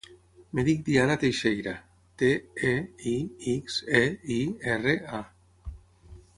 Em dic Diana Teixeira: te, e, i, ics, e, i, erra, a.